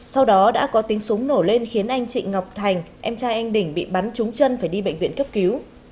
sau đó đã có tiếng súng nổ lên khiến anh trịnh ngọc thành em trai anh đình bị bắn trúng chân phải đi bệnh viện cấp cứu